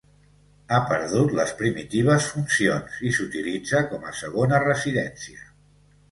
Ha perdut les primitives funcions i s'utilitza com a segona residència.